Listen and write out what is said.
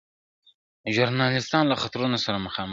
ژورنالستان له خطرونو سره مخامخ دي